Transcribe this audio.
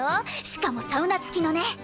しかもサウナ付きのね！